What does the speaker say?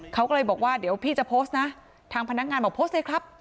เขาก็เลยบอกว่าเดี๋ยวพี่จะโพสต์นะทางพนักงานบอกโพสต์สิครับ